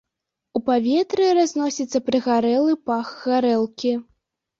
У паветры разносіцца прыгарэлы пах гарэлкі.